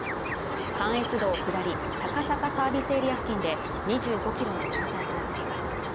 関越道下り高坂サービスエリア付近で２５キロの渋滞となっています。